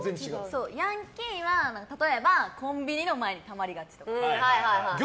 ヤンキーは、例えばコンビニの前にたまりがちとか。